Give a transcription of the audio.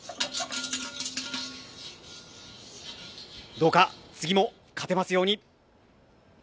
どうか次も勝てますように。